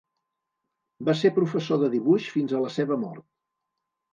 Va ser professor de dibuix fins a la seva mort.